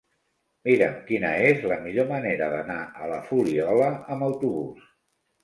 Mira'm quina és la millor manera d'anar a la Fuliola amb autobús.